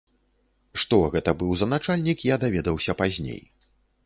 Што гэта быў за начальнік, я даведаўся пазней.